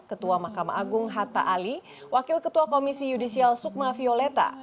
ketua mahkamah agung hatta ali wakil ketua komisi yudisial sukma violeta